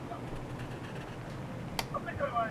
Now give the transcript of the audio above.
نه ځنګل نه شنه واښه نه شنه بېدیا وه ..